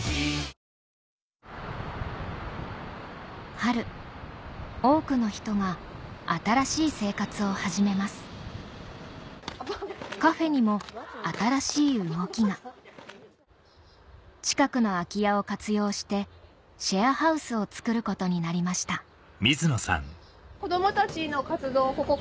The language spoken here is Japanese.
春多くの人が新しい生活を始めますカフェにも新しい動きが近くの空き家を活用してシェアハウスを作ることになりましたタケシさんの自立する夢は